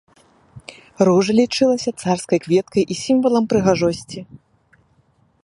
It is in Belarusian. Ружа лічылася царскай кветкай і сімвалам прыгажосці.